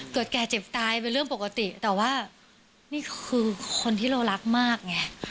แก่เจ็บตายเป็นเรื่องปกติแต่ว่านี่คือคนที่เรารักมากไง